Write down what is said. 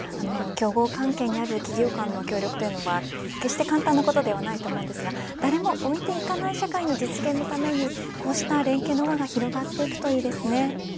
競合関係にある企業間の協力というのは決して簡単なことではないと思いますが誰も置いていかない社会の実現のためにこうした連携の輪が広がっていくといいですね。